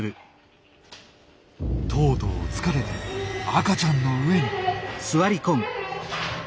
とうとう疲れて赤ちゃんの上に！